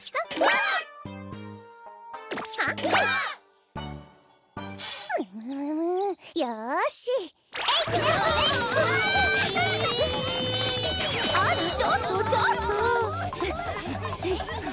あらちょっとちょっと！